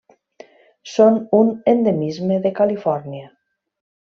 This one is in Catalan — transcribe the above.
Són un endemisme de Califòrnia.